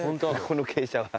この傾斜は。